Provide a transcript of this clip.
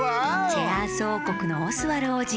チェアースおうこくのオスワルおうじ。